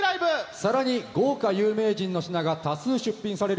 さらに豪華有名人の品が多数出品される